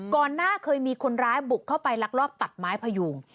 ก่อนหน้าเคยมีคนร้ายบุกเข้าไปลักลอบตัดไม้พยุง